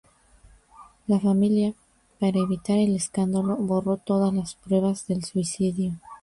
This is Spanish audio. La familia, para evitar el escándalo, borró todas las pruebas del suicidio.